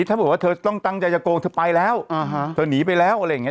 ถ้าบอกว่าเธอต้องตั้งใจจะโกงเธอไปแล้วเธอหนีไปแล้วอะไรอย่างเง